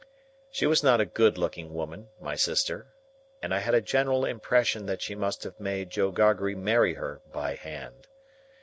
She was not a good looking woman, my sister; and I had a general impression that she must have made Joe Gargery marry her by hand.